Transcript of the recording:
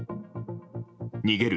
逃げる